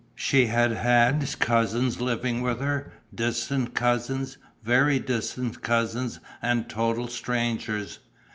She had had cousins living with her, distant cousins, very distant cousins and total strangers.